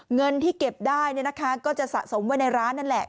เงินที่เก็บได้ก็จะสะสมไว้ในร้านนั่นแหละ